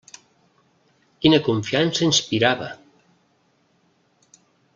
Quina confiança inspirava!